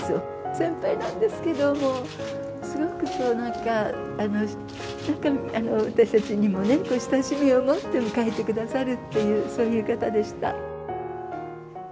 先輩なんですけども、すごくなんか、なんか私たちにもね、親しみを持って迎えてくださるっていう、そういう方でした。